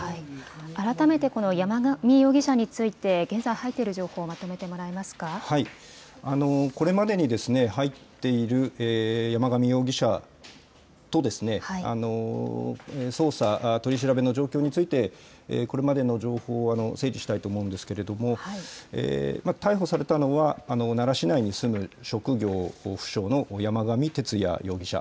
改めて、この山上容疑者について、現在入っている情報をまとこれまでに入っている、山上容疑者と捜査、取り調べの状況について、これまでの情報を整理したいと思うんですけれども、逮捕されたのは、奈良市内に住む職業不詳の山上徹也容疑者。